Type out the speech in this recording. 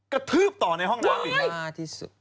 กระทืบต่อในห้องน้ำอีก